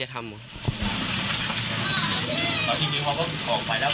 ท่านทำยังไงบ้างแต่ละคน